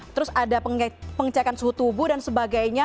terus ada pengecekan suhu tubuh dan sebagainya